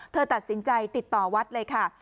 เธอตัดสินใจติดต่อวัดเลยค่ะ